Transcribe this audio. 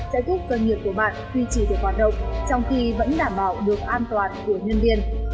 trái túc cơ nghiệp của bạn tuy chỉ để hoạt động trong khi vẫn đảm bảo được an toàn của nhân viên